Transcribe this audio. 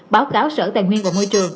báo cáo sở tài nguyên và môi trường